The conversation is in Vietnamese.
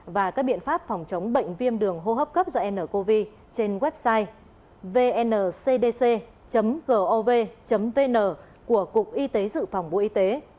và các biện pháp phòng chống bệnh viêm đường hô hấp cấp do ncov trên website vncdc gov vn của cục y tế dự phòng bộ y tế